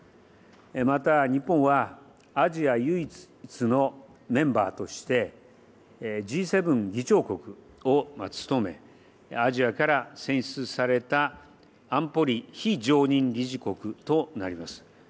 また日本は、アジア唯一のメンバーとして、Ｇ７議長国を務め、アジアから選出された安保理非常任理事国となります。